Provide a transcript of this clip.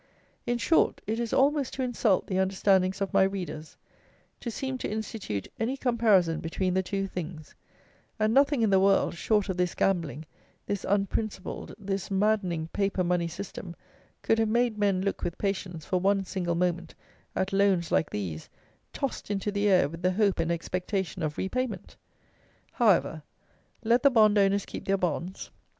In short, it is almost to insult the understandings of my readers, to seem to institute any comparison between the two things; and nothing in the world, short of this gambling, this unprincipled, this maddening paper money system, could have made men look with patience for one single moment at loans like these, tossed into the air with the hope and expectation of re payment. However, let the bond owners keep their bonds.